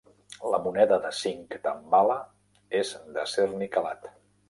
La moneda de cinc tambala és d'acer niquelat.